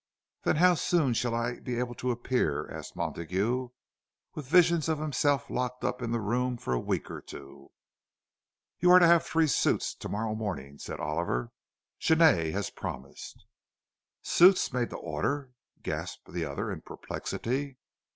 "Then how soon shall I be able to appear?" asked Montague, with visions of himself locked up in the room for a week or two. "You are to have three suits to morrow morning," said Oliver. "Genet has promised." "Suits made to order?" gasped the other, in perplexity.